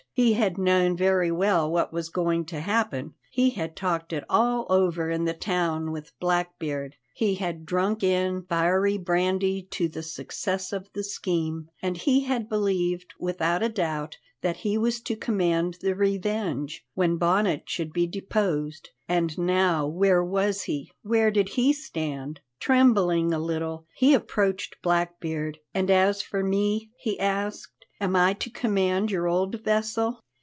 He had known very well what was going to happen; he had talked it all over in the town with Blackbeard; he had drunk in fiery brandy to the success of the scheme, and he had believed without a doubt that he was to command the Revenge when Bonnet should be deposed. And now where was he? Where did he stand? Trembling a little, he approached Blackbeard. "And as for me," he asked; "am I to command your old vessel?"